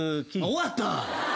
終わった。